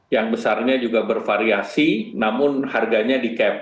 yang besarnya juga bervariasi namun harganya di cap